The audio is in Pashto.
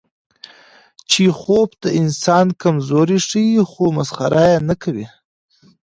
چیخوف د انسان کمزوري ښيي، خو مسخره یې نه کوي.